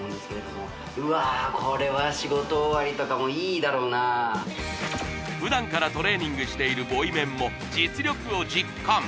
もうわこれはだろうな普段からトレーニングしているボイメンも実力を実感